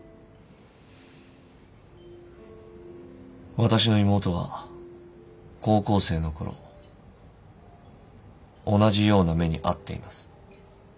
私の妹は高校生のころ同じような目に遭っています。